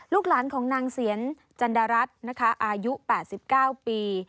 ลูกหลานของนางเสียนจันดารัฐนะคะอายุ๘๙ปี